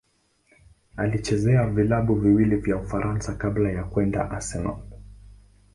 Alichezea vilabu viwili vya Ufaransa kabla ya kwenda Arsenal.